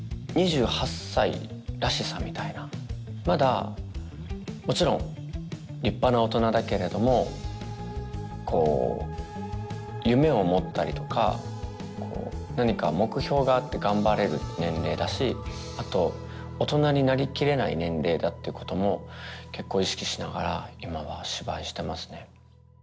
２８歳らしさみたいなまだもちろん立派な大人だけれどもこう夢を持ったりとかこう何か目標があって頑張れる年齢だしあと大人になりきれない年齢だっていうことも結構意識しながら今は芝居してますね